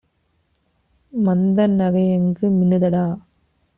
மந்த நகையங்கு மின்னுதடா!